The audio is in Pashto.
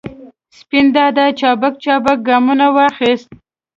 سپین دادا چابک چابک ګامونه واخستل.